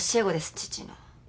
父の。